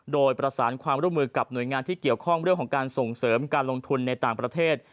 โดยประสานความร่วมมือกับหน่วยงานที่เกี่ยวข้องเรื่องของการส่งเสริมการลงทุนในต่างประเทศ